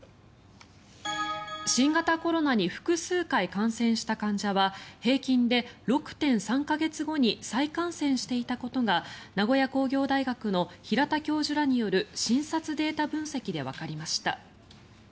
新型コロナに複数回感染した患者は平均で６．３か月後に再感染していたことが名古屋工業大学の平田教授らによる診察データ分析でわかりました。